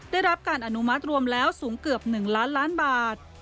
ได้รับการอนุมัติรวมแล้วสูงเกือบ๑ล้านล้านบาท